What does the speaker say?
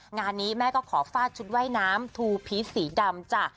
งานนี้แม่ก็ขอฟาดชุดว่ายน้ำทูพีชสีดำจ้ะ